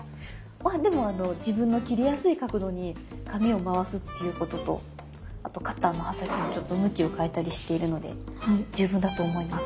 まあでも自分の切りやすい角度に紙を回すっていうこととあとカッターの刃先をちょっと向きを変えたりしているので十分だと思います。